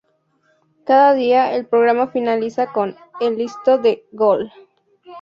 Cada día, El programa finaliza con "El Listo de Gol".